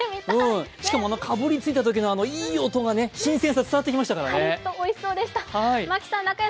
しかも、かぶりついたときのあのいい音がね、新鮮さ、伝わってきましたからね。